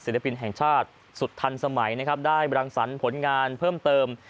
ปินแห่งชาติสุดทันสมัยนะครับได้บรังสรรค์ผลงานเพิ่มเติม